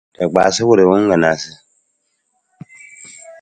Wa wal naasa wa kpa sukuri wung.